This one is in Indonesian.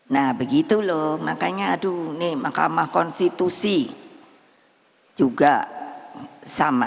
nah begitu loh makanya aduh nih mahkamah konstitusi juga sama